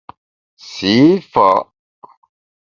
Sî fa’ !